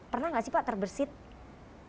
pernah nggak sih pak terbersih